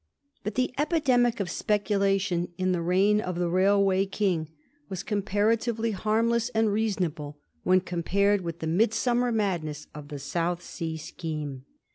But the epidemic of speculation in the reign of the rail way king was comparatively harmless and reasonable when compared with the midsummer madness of the South Sea scheme.